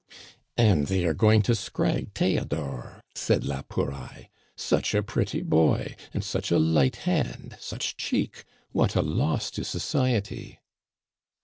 "And they are going to scrag Theodore!" said la Pouraille, "such a pretty boy! And such a light hand! such cheek! What a loss to society!"